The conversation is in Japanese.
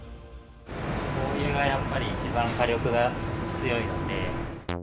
灯油がやっぱり一番火力が強いので。